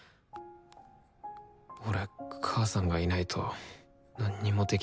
俺母さんがいないとなんにもできなくてさ。